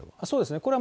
これは。